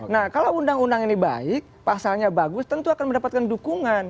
nah kalau undang undang ini baik pasalnya bagus tentu akan mendapatkan dukungan